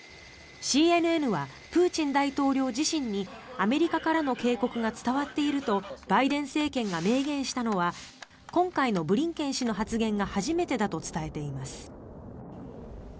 ＣＮＮはプーチン大統領自身にアメリカからの警告が伝わっているとバイデン政権が明言したのは今回のブリンケン氏の発言が初めてだと伝えています。